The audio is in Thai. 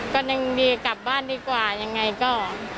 ก็ยังดีกลับบ้านดีกว่ายังไงก็